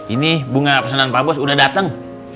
ini bunga pesanan pa bos udah dateng